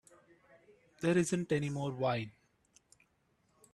There isn't any more wine.